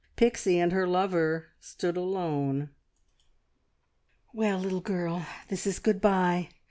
Pixie and her lover stood alone. "Well, little girl... this is good bye!